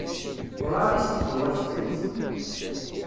Ur εad i s-d-tuɣal tefrit.